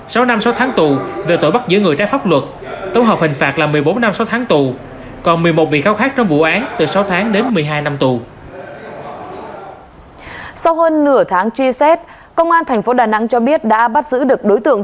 sau hơn nửa tháng truy xét công an tp đà nẵng cho biết đã bắt giữ được đối tượng